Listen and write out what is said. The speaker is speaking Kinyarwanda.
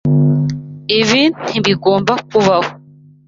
Ibi ntibigomba kubaho.